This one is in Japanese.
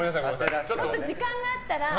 もっと時間があったら！